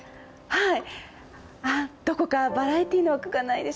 はい！